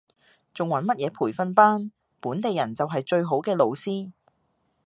仲揾乜嘢培訓班，本地人就係最好嘅老師